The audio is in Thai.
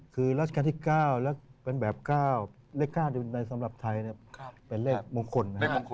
คือราชการที่๙และเป็นแบบ๙เลข๙ในสำหรับไทยเป็นเลขมงคลนะครับ